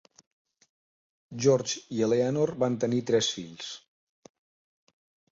George i Eleanor van tenir tres fills.